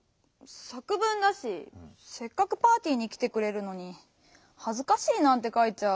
さくぶんだしせっかくパーティーにきてくれるのに「はずかしい」なんてかいちゃ。